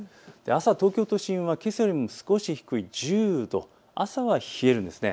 朝、東京都心はけさよりも少し低い１０度、朝は冷えるんです。